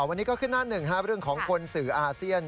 วันนี้ก็คือหน้า๑เรื่องของคนสื่ออาเซียน